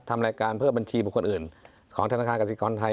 ทำรายการเพิ่มบัญชีบุคคลอื่นของธนาคารกสิกรไทย